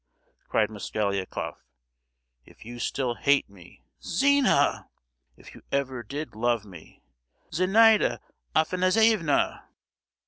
cried Mosgliakoff. "If you still hate me——" "Zina!!" "If you ever did love me——" "Zenaida Afanassievna!"